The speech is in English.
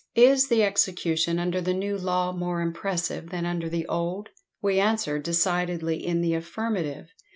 "Is the execution under the new law more impressive than under the old?" "We answer decidedly in the affirmative.